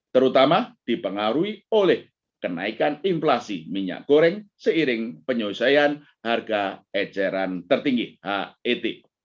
terutama dipengaruhi oleh kenaikan inflasi minyak goreng seiring penyelesaian harga eceran tertinggi het